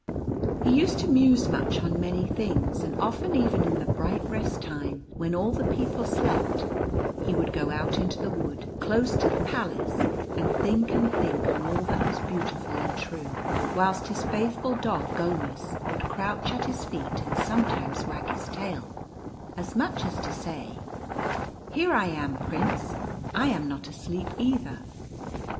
He used to muse much on many things ; and often even in the bright rest time, when all the people slept, he would go out into the wood, close to the palace, and think and think on all that was beautiful and true, whilst his faithful dog Gomus would crouch at his feet and sometimes wag his tail, as much as to say —" Here I am, prince ; I am not asleep either."